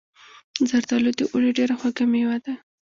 زردالو د اوړي ډیره خوږه میوه ده.